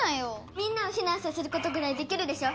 みんなをひなんさせることぐらいできるでしょ。